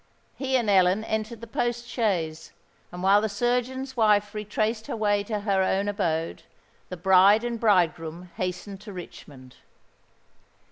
He and Ellen entered the post chaise; and while the surgeon's wife retraced her way to her own abode, the bride and bridegroom hastened to Richmond.